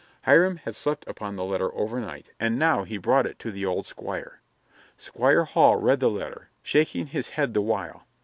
Hiram had slept upon the letter overnight and now he brought it to the old Squire. Squire Hall read the letter, shaking his head the while.